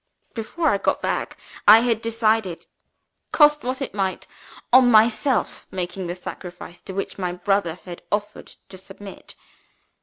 Before I got back, I had decided (cost me what it might) on myself making the sacrifice to which my brother had offered to submit.